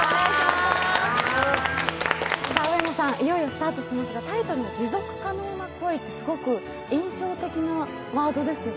上野さん、いよいよスタートしますが、タイトルの「持続可能な恋」って印象的なワードですね。